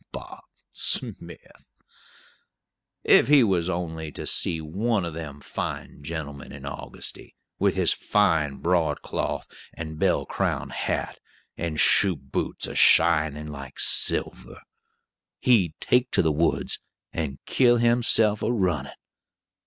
Bob Sm ith! If he was only to see one of them fine gentlemen in Augusty, with his fine broadcloth, and bell crown hat, and shoe boots a shinin' like silver, he'd take to the woods and kill himself a runnin'.